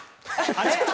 あれ？